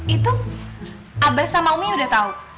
itu abah sama umi udah tahu